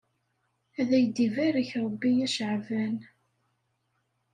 Ad ak-ibarek Rebbi a Caɛban.